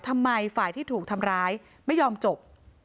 ทำไมฝ่ายที่ถูกทำร้ายไม่ยอมจบ